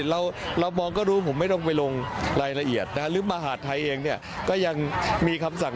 เราเรามองก็รู้ผมไม่ต้องไปลงรายละเอียดนะฮะหรือมหาดไทยเองเนี่ยก็ยังมีคำสั่ง